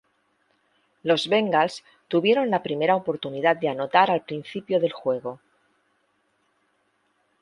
Los Bengals tuvieron la primera oportunidad de anotar al principio del juego.